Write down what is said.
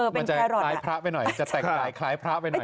มันจะคล้ายพระไปหน่อย